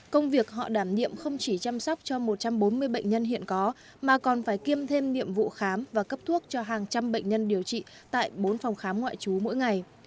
công việc họ đảm nhiệm không chỉ chăm sóc cho một trăm bốn mươi bệnh nhân hiện có mà còn phải kiêm thêm nhiệm vụ khám và cấp thuốc cho hàng trăm bệnh nhân điều trị tại bốn phòng khám ngoại trú mỗi ngày